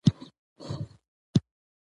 ازادي راډیو د سیاست کیسې وړاندې کړي.